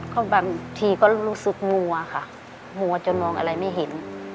ก็บางทีก็รู้สึกมัวค่ะมัวจนมองอะไรไม่เห็น